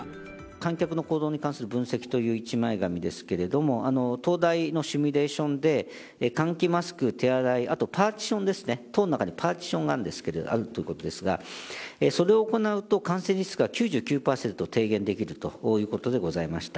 観客の行動に関する分析という一枚紙ですけれども、東大のシミュレーションで、換気、マスク、手洗い、あとパーティションですね、棟の中にパーティションがあるっていうことですが、それを行うと感染リスクが９９％低減できるということでございました。